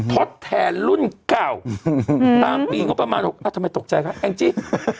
ทดแทนรุ่นเก่าตามปีงบประมาณทำไมตกใจคะแองจี้